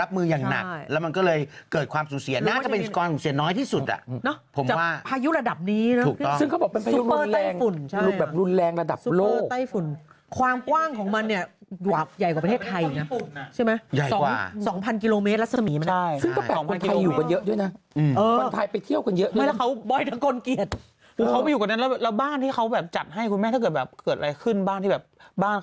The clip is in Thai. เป็นลายเดียวที่เสียชีวิตเป็นความสูเสียของชาวญี่ปุ่นนั่นเอง